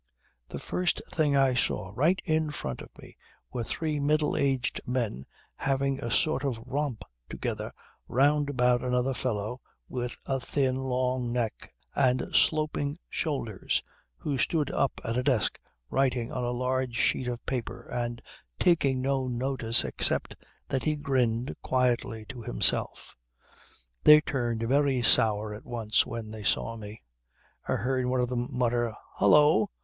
The first thing I saw right in front of me were three middle aged men having a sort of romp together round about another fellow with a thin, long neck and sloping shoulders who stood up at a desk writing on a large sheet of paper and taking no notice except that he grinned quietly to himself. They turned very sour at once when they saw me. I heard one of them mutter 'Hullo!